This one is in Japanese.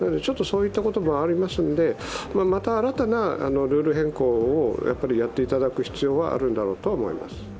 そういったこともありますので、また新たなルール変更をやっていただく必要はあると思います。